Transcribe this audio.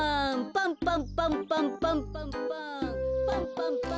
パンパンパンパンパンパンパン。